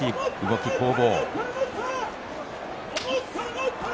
動き、攻防。